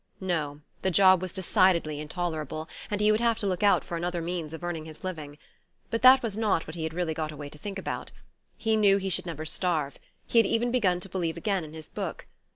No the job was decidedly intolerable; and he would have to look out for another means of earning his living. But that was not what he had really got away to think about. He knew he should never starve; he had even begun to believe again in his book.